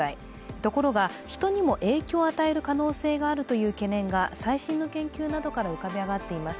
ところが人にも影響を与える可能性があるという懸念が最新の研究などから浮かび上がっています。